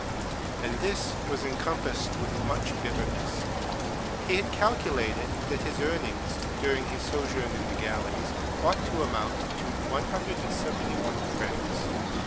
And this was encompassed with much bitterness. He had calculated that his earnings, during his sojourn in the galleys, ought to amount to a hundred and seventy one francs.